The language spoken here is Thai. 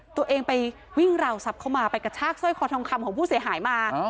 ตัวเองไปวิ่งราวทรัพย์เข้ามาไปกระชากสร้อยคอทองคำของผู้เสียหายมา